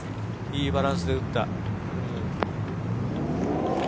いいバランスで打った。